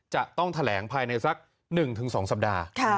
จะต้องแถลงภายในสัก๑๒สัปดาห์